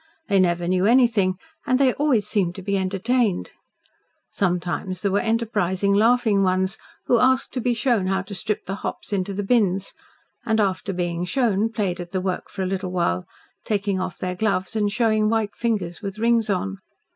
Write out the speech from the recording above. They never knew anything, and they always seemed to be entertained. Sometimes there were enterprising, laughing ones, who asked to be shown how to strip the hops into the bins, and after being shown played at the work for a little while, taking off their gloves and showing white fingers with rings on.